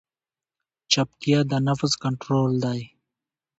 چپتیا، د نفس کنټرول دی.